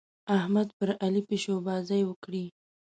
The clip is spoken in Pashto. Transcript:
احمد پر علي پيشوبازۍ وکړې.